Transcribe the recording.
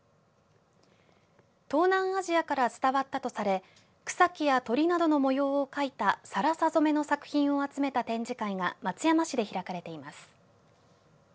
東南アジアから伝わったとされ草木や鳥などの模様を描いた更紗染めの作品を集めた展示会が松山市で開かれています。